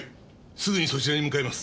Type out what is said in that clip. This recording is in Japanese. すぐにそちらに向かいます。